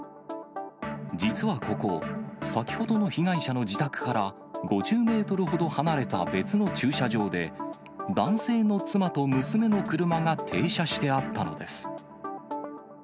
実はここ、先ほどの被害者の自宅から５０メートルほど離れた別の駐車場で、男性の妻と娘の車が停車してあったのです。